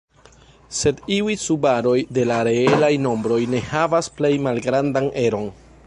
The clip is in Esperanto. Sed iuj subaroj de la reelaj nombroj ne havas plej malgrandan eron.